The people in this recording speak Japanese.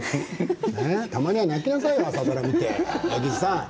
たまには泣きなさいよ、朝ドラを見て。